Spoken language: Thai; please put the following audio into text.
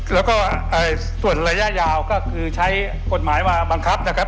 แล้วก็ส่วนระยะยาวก็คือใช้กฎหมายมาบังคับนะครับ